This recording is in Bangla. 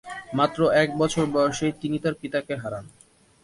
মাত্র এক বছর বয়সেই তিনি তার পিতাকে হারান।